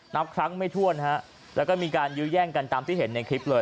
นับครั้งไม่ถ้วนฮะแล้วก็มีการยื้อแย่งกันตามที่เห็นในคลิปเลย